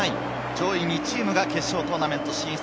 上位２チームが決勝トーナメント進出。